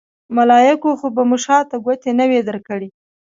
ملایکو خو به مو شاته ګوتې نه وي درکړې.